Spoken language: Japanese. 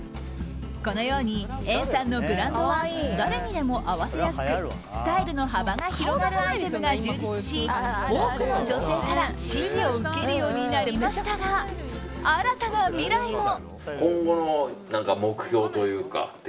このようにエンさんのブランドは誰にでも合わせやすくスタイルの幅が広がるアイテムが充実し多くの女性から支持を受けるようになりましたが新たな未来も。